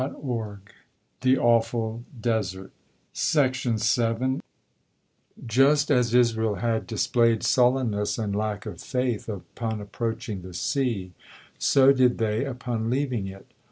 THE AWFUL DESERT Just as Israel had displayed sullenness and lack of faith upon approaching the sea, so did they upon leaving it.